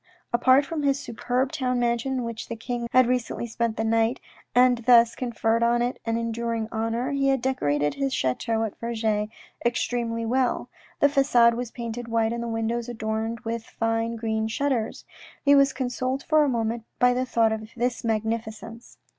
Apart from his superb town mansion in which the king of had recently spent the night, and thus conferred on it an enduring honour, he had decorated his chateau at Vergy extremely well. The facade was painted white and the windows adorned with fine green shutters. He was consoled for a moment by the thought of this magnificence.